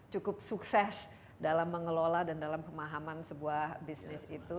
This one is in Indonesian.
cukup sukses dalam mengelola dan dalam pemahaman sebuah bisnis itu